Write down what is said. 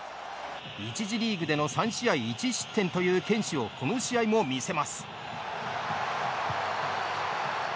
１次リーグでの３試合１失点という堅守をこの試合も見せます。